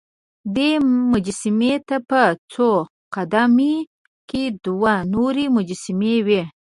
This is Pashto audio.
دې مجسمې ته په څو قد مې کې دوه نورې مجسمې وې.